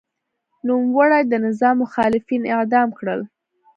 نوموړي د نظام مخالفین اعدام کړل.